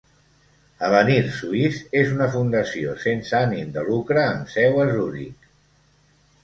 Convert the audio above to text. Avenir Suisse és una fundació sense ànim de lucre amb seu a Zuric.